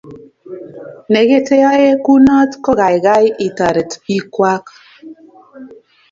ne keteyae kunot ko kaikai itaret piik kwaok